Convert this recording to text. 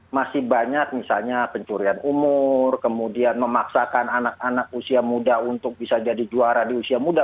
masih banyak misalnya pencurian umur kemudian memaksakan anak anak usia muda untuk bisa jadi juara di usia muda